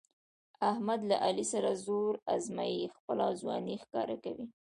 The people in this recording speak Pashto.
احمد له علي سره زور ازمیي، خپله ځواني ښکاره کوي.